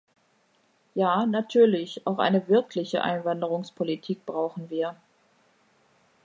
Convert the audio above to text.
Ja, natürlich, auch eine wirkliche Einwanderungspolitik brauchen wir.